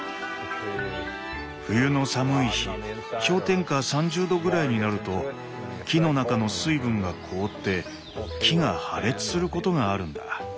冬の寒い日氷点下３０度ぐらいになると木の中の水分が凍って木が破裂することがあるんだ。